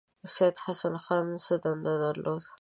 سید حسن خان څه دنده درلوده.